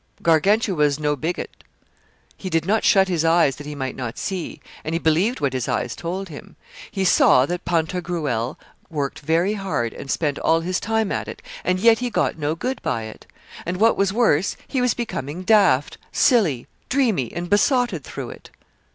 Gargantua was no bigot: he did not shut his eyes that he might not see, and he believed what his eyes told him. He saw that Pantagruel worked very hard and spent all his time at it, and yet he got no good by it. And what was worse, he was becoming daft, silly, dreamy, and besotted through it.